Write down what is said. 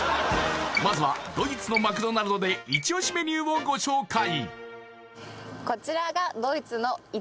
まずはドイツのマクドナルドでイチ押しメニューをご紹介